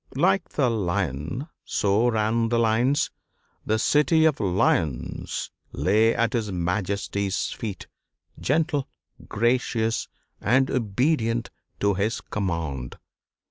Like the lion so ran the lines the city of Lyons lay at his Majesty's feet, gentle, gracious, and obedient to his command.